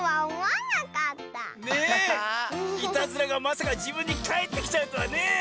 いたずらがまさかじぶんにかえってきちゃうとはねえ。